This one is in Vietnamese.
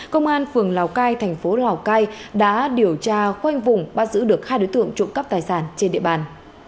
công an phường lào cai thành phố lào cai đã điều tra khoanh vùng bắt giữ được hai đối tượng trộm cắp tài sản trên địa bàn